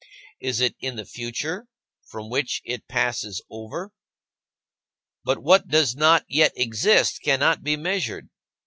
Is it in the future, from which it passes over? But what does not yet exist cannot be measured.